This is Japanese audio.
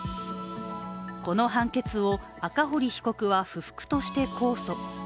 この判決を赤堀被告は不服として控訴。